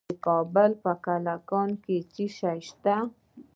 د کابل په کلکان کې څه شی شته؟